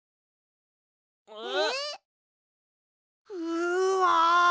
うわ！